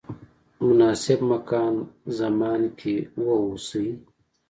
مناسب مکان زمان کې واوسئ.